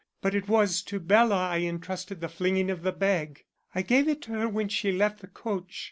But it was to Bela I entrusted the flinging of the bag. I gave it to her when she left the coach.